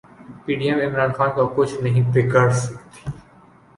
P D M Imran Khan کا کچھ نہیں بگاڑسکتی